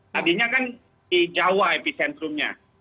tadinya kan di jawa epicentrum nya